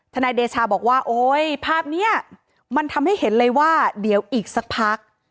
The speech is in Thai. นายเดชาบอกว่าโอ๊ยภาพนี้มันทำให้เห็นเลยว่าเดี๋ยวอีกสักพัก